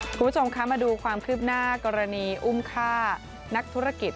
คุณผู้ชมคะมาดูความคืบหน้ากรณีอุ้มฆ่านักธุรกิจ